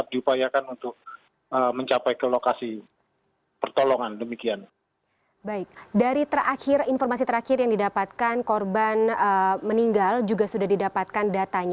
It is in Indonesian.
dari terakhir informasi terakhir yang didapatkan korban meninggal juga sudah didapatkan